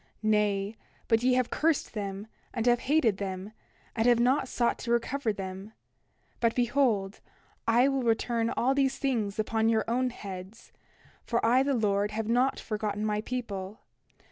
Nay; but ye have cursed them, and have hated them, and have not sought to recover them. But behold, I will return all these things upon your own heads; for I the Lord have not forgotten my people.